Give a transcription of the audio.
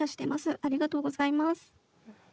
ありがとうございます。